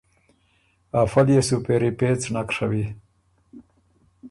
افۀ ليې سو پېری پېڅ نک ڒوی۔